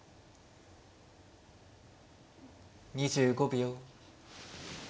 ２５秒。